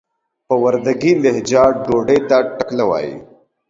په وردګي لهجه ډوډۍ ته ټکله وايي.